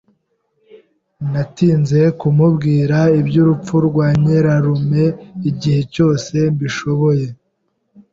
Natinze kumubwira iby'urupfu rwa nyirarume igihe cyose mbishoboye.